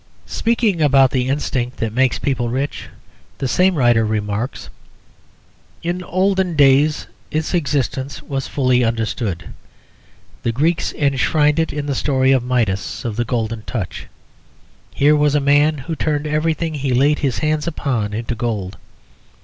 Speaking about the instinct that makes people rich, the same writer remarks "In olden days its existence was fully understood. The Greeks enshrined it in the story of Midas, of the 'Golden Touch.' Here was a man who turned everything he laid his hands upon into gold.